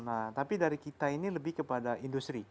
nah tapi dari kita ini lebih kepada industri